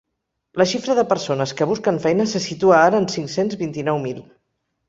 La xifra de persones que busquen feina se situa ara en cinc-cents vint-i-nou mil.